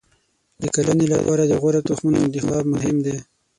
د کرنې لپاره د غوره تخمونو انتخاب مهم دی.